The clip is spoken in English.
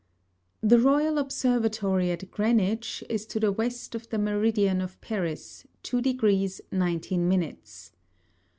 The Royal Observatory at Greenwich, is to the West of the Meridian of Paris, 2 degrees, 19 minutes.